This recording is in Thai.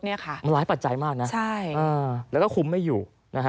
มันหลายปัจจัยมากนะแล้วก็คุ้มไม่อยู่